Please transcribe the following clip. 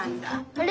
あれ？